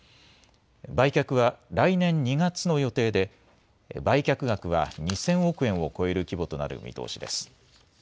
売却は来年２月の予定で、売却額は２０００億円を超える規模となる見通しです。